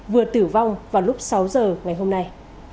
vừa tử vong vào lúc sáu giờ ngày hôm nay